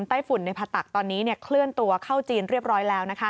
ฝุ่นในผตักตอนนี้เคลื่อนตัวเข้าจีนเรียบร้อยแล้ว